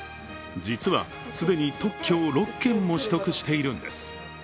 実は既に特許を６件も取得しているんです。